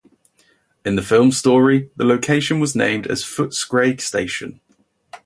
In the film's story the location was named as Footscray station.